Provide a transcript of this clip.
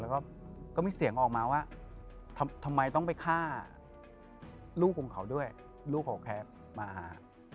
แล้วก็มีเสียงออกมาว่าทำไมต้องไปฆ่าลูกของเขาด้วยลูกเขาแคปมาหา